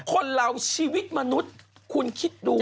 คนเราชีวิตมนุษย์คุณคิดดู